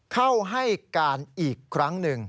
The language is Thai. เข้าให้การอีกครั้งหนึ่ง